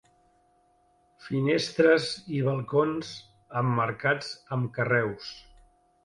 Finestres i balcons emmarcats amb carreus.